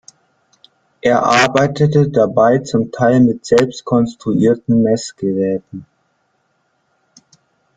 Er arbeitete dabei zum Teil mit selbst konstruierten Messgeräten.